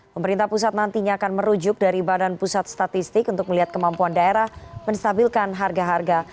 pemerintah pusat nantinya akan merujuk dari badan pusat statistik untuk melihat kemampuan daerah menstabilkan harga harga